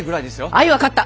あい分かった。